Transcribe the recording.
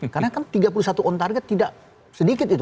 karena kan tiga puluh satu on target tidak sedikit itu